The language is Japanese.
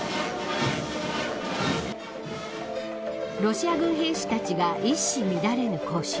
ロシア軍兵士たちが一糸乱れぬ行進。